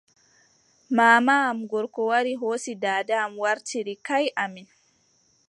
Maama am gorko wari hoosi daada am waartiri kayye amin.